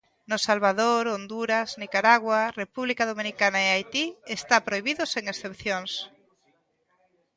No Salvador, Honduras, Nicaragua, República Dominicana e Haití está prohibido sen excepcións.